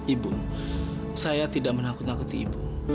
ibu saya tidak menangkut angkut ibu